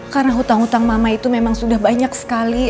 karena hutang hutang mama itu memang sudah banyak sekali